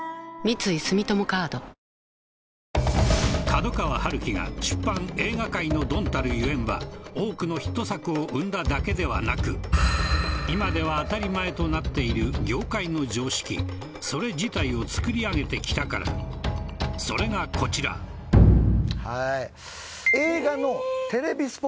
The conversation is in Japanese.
角川春樹がは多くのヒット作を生んだだけではなく今では当たり前となっている業界の常識それ自体をつくり上げてきたからそれがこちらはい映画のテレビスポット